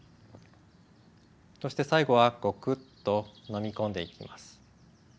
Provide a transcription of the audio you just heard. そして最後はゴクッと飲み込んでいきます。